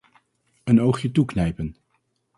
Een oogje toeknijpen.